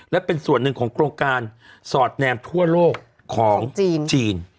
และเป็นส่วนหนึ่งของโครงการสอดแนมทั่วโลกของจีน